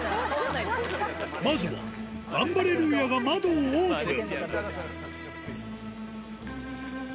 まずはガンバレルーヤが窓をオープン。